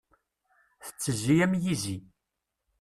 Tettezzi am yizi.